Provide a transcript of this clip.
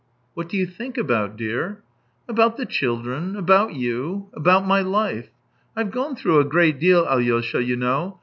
" What do you think about, dear ?"" About the children, about you ... about my life. I've gone through a great deal, Alyosha, you know.